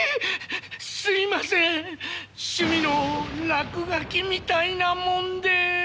すいません趣味の落書きみたいなもんで。